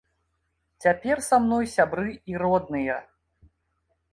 Цяпер са мной сябры і родныя.